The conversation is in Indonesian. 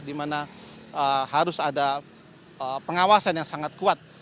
di mana harus ada pengawasan yang sangat kuat